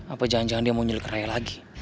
apa jangan jangan dia mau nyeluk raya lagi